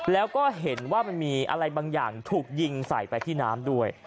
แล้วก็เห็นว่ามันมีอะไรบางอย่างถูกยิงใส่ไปที่น้ำด้วย